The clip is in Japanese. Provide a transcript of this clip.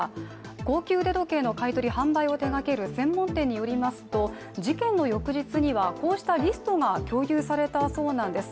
高級腕時計の買い取り、販売を手がける専門店によりますと、事件の翌日には、こうしたリストが共有されたようなんです。